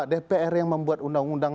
dpr yang membuat undang undang